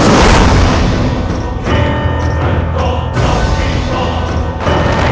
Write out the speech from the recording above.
ah anak bodoh